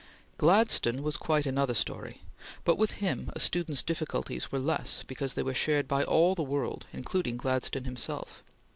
Gladstone was quite another story, but with him a student's difficulties were less because they were shared by all the world including Gladstone himself.